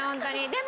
でも。